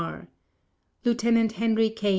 R. Lieutenant Henry K.